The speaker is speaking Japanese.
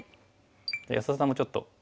じゃあ安田さんもちょっと。